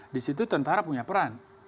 disitu tentara punya peran